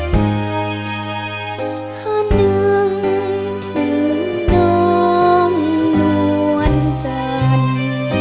หาเนื่องถึงน้องมวลจันทร์